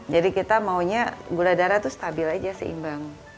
jadi kita maunya gula darah itu stabil saja seimbang